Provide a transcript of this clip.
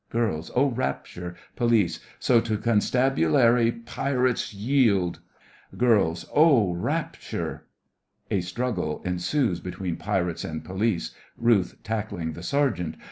GIRLS: Oh, rapture! POLICE: So to Constabulary, pirates yield! GIRLS: Oh, rapture! (A struggle ensues between Pirates and Police, RUTH tackling the SERGEANT.